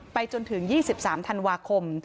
จนถึง๒๓ธันวาคม